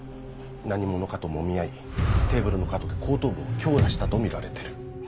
何者かともみ合いテーブルの角で後頭部を強打したとみられてる。